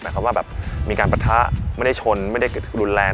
เพราะว่ามีการประทะไม่ได้ชนไม่ได้รุนแรง